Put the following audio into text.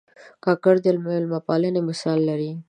کاکړ د مېلمه پالنې مثالونه لري.